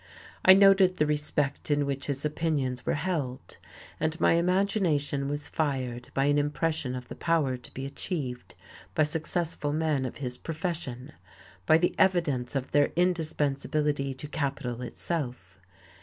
I noted the respect in which his opinions were held, and my imagination was fired by an impression of the power to be achieved by successful men of his profession, by the evidence of their indispensability to capital itself....